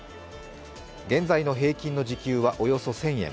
現在の平均の時給はおよそ１０００円。